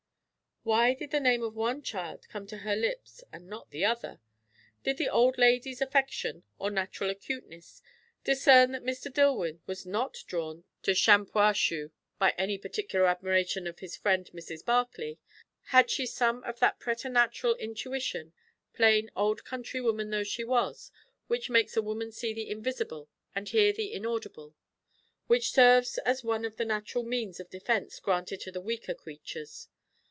Why did the name of one child come to her lips and not the other? Did the old lady's affection, or natural acuteness, discern that Mr. Dillwyn was not drawn to Shampuashuh by any particular admiration of his friend Mrs. Barclay? Had she some of that preternatural intuition, plain old country woman though she was, which makes a woman see the invisible and hear the inaudible? which serves as one of the natural means of defence granted to the weaker creatures.